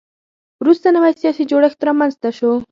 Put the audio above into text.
وروسته نوی سیاسي جوړښت رامنځته شو.